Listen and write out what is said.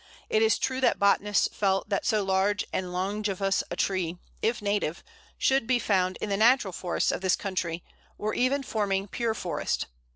It is true that botanists felt that so large and longevous a tree, if native, should be found in the natural forests of this country, or even forming pure forest.